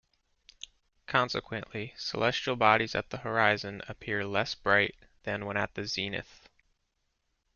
Consequently, celestial bodies at the horizon appear less bright than when at the zenith.